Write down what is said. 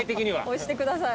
押してください。